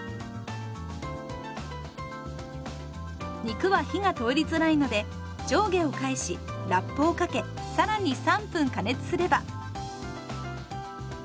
肉は火が通りづらいので上下を返しラップをかけ更に３分加熱すれば。